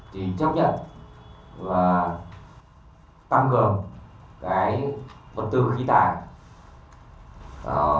thì chấp nhận và tăng cường cái bật tự khí tài